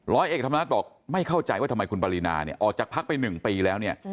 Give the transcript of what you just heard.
ร้อยเอกธรรมนัฐบอกไม่เข้าใจว่าทำไมคุณปรินาเนี่ยออกจากพักไป๑ปีแล้วเนี่ย